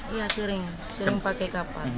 iya sering sering pakai kapal